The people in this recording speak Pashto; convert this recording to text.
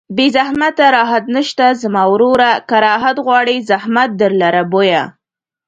بې زحمته راحت نشته زما وروره که راحت غواړې زحمت در لره بویه